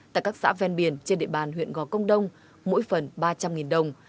tại các xã ven biển trên địa bàn huyện gò công đông mỗi phần ba trăm linh đồng